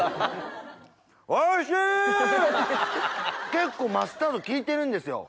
結構マスタード利いてるんですよ。